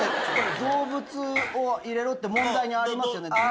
動物を入れろって問題にありますよね。